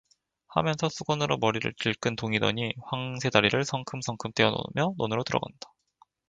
하면서 수건으로 머리를 질끈 동이더니 황새 다리를 성큼성큼 떼어 놓으며 논으로 들어간다.